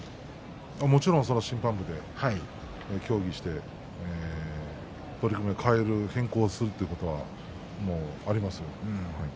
もちろん審判部で協議して取組を変更するということはありますよ。